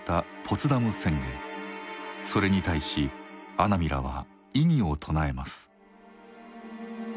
それに対し阿南らは異議を唱えます。